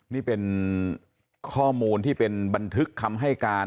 นี่เป็นข้อมูลที่ประบาทคำให้การ